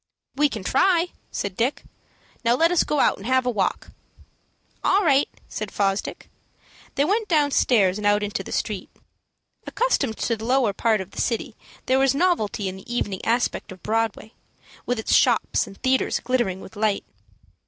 "We can try," said Dick. "Now let us go out and have a walk." "All right," said Fosdick. They went downstairs, and out into the street. Accustomed to the lower part of the city, there was a novelty in the evening aspect of Broadway, with its shops and theatres glittering with light.